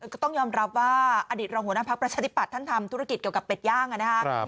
ก็ต้องยอมรับว่าอดีตรองหัวหน้าภักดิ์ประชาธิปัตย์ท่านทำธุรกิจเกี่ยวกับเป็ดย่างนะครับ